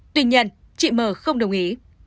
tuy nhiên chị mờ không đồng ý